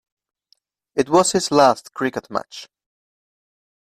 It was his last cricket match.